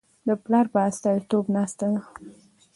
د پلار په استازیتوب ناسته ده.